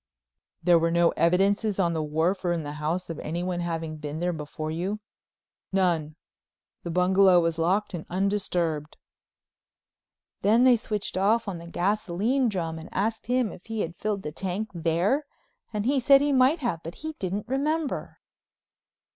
"There were no evidences on the wharf or in the house of anyone having been there before you?" "None. The bungalow was locked and undisturbed." Then they switched off on to the gasoline drum and asked him if he had filled the tank there and he said he might have but he didn't remember.